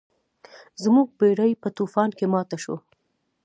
زموږ بیړۍ په طوفان کې ماته شوه.